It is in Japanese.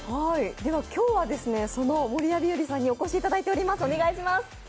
今日はその守谷日和さんにお越しいただいています。